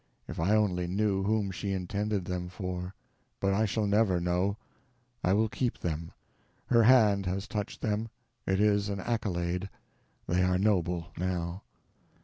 If I only knew whom she intended them for! But I shall never know. I will keep them. Her hand has touched them—it is an accolade—they are noble, now.